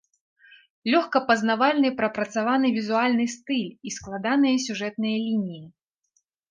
Лёгка пазнавальны прапрацаваны візуальны стыль і складаныя сюжэтныя лініі.